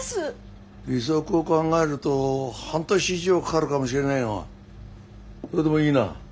利息を考えると半年以上かかるかもしれないがそれでもいいな。